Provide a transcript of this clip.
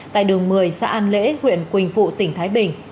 tại đường một mươi xã an lễ huyện quỳnh phụ tỉnh thái bình